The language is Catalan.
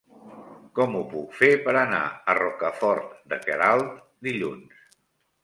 Com ho puc fer per anar a Rocafort de Queralt dilluns?